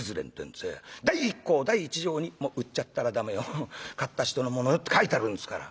第１項第１条にもう売っちゃったら駄目よ買った人のものよって書いてあるんですから。